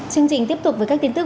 chương trình tiếp tục với các tin tức